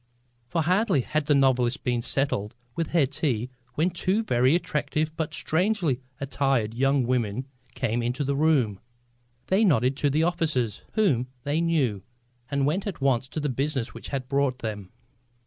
For hardly had the novelist been settled with her tea when two very attractive but strangely attired young women came into the room. They nodded to the officers, whom they knew, and went at once to the business which had brought them.